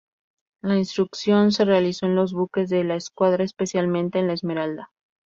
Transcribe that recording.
La instrucción se realizó en los buques de la escuadra, especialmente en la "Esmeralda".